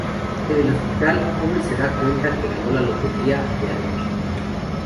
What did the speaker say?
En el hospital, Homer se da cuenta que ganó la lotería de anoche.